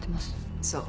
そう。